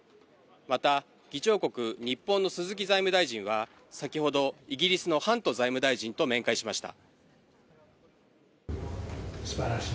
また、議長国日本の鈴木財務大臣は、先ほどイギリスのハント財務大臣と面会しました。